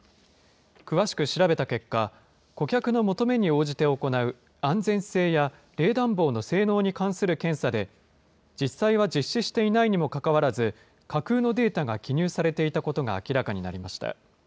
詳しく調べた結果、顧客の求めに応じて行う安全性や冷暖房の性能に関する検査で、実際は実施していないにもかかわらず、架空のデータが記入されていたことが明らかになりました。